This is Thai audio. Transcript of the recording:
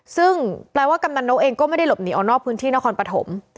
ซึ่งแปลว่ากำนันนกเองก็ไม่ได้หลบหนีออกนอกพื้นที่นครปฐม